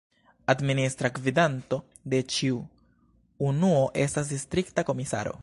Administra gvidanto de ĉiu unuo estas distrikta komisaro.